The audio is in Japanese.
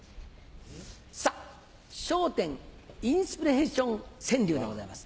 さっ『笑点』インスピレーション川柳でございます。